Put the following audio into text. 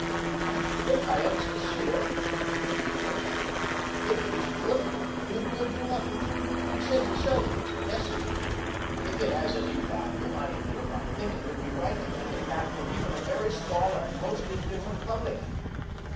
"I think I am sincere," objected Presley. "If it is good it will do good to others. You said yourself it was a Message. If it has any value, I do not think it would be right to keep it back from even a very small and most indifferent public."